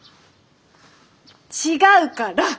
違うから！